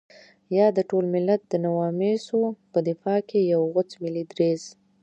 يا د ټول ملت د نواميسو په دفاع کې يو غوڅ ملي دريځ.